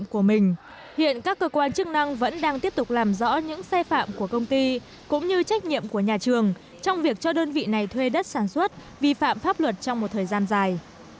các cơ quan chức năng vẫn đang tiếp tục làm rõ những sai phạm của công ty cũng như trách nhiệm của nhà trường trong việc cho đơn vị này thuê đất sản xuất vi phạm pháp luật trong một thời gian dài